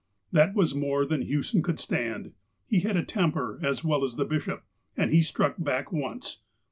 That was more than Hewson could stand. He had a temper as well as the bishop, and he struck back once.